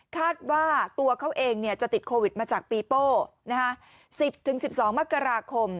คาดว่าตัวเขาเองจะติดโควิดมาจากปีโป้๑๐๑๒มกราคม